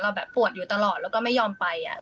แบบปวดอยู่ตลอดแล้วก็ไม่ยอมไป